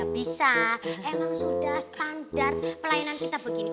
bisa emang sudah standar pelayanan kita begini